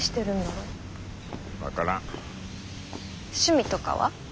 趣味とかは？